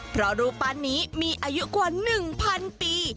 เพราะรูปปั้นนี้มีอายุกว่า๑๐๐ปี